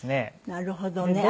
なるほどね。